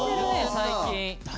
最近。